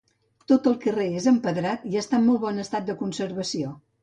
Tot el carrer és empedrat i està en molt bon estat de conservació.